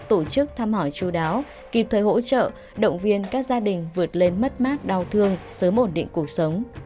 tham hỏi chú đáo kịp thời hỗ trợ động viên các gia đình vượt lên mất mát đau thương sớm ổn định cuộc sống